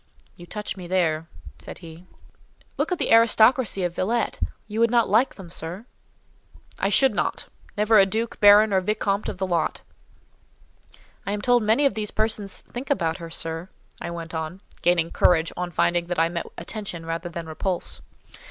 "You touch me there," said he. "Look at the aristocracy of Villette—you would not like them, sir?" "I should not—never a duc, baron, or vicomte of the lot." "I am told many of these persons think about her, sir," I went on, gaining courage on finding that I met attention rather than repulse.